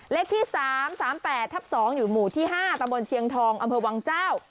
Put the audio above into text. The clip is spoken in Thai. เลขที่๓๓๘ทับ๒อยู่หมู่ที่๕ตำบลเชียงทองอำเภอวังเจ้า